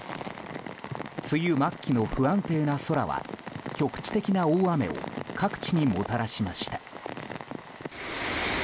梅雨末期の不安定な空は局地的な大雨を各地にもたらしました。